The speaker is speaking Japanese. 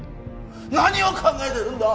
何を考えてるんだ！？